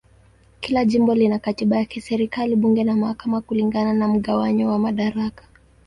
Kila jimbo lina katiba yake, serikali, bunge na mahakama kulingana na mgawanyo wa madaraka.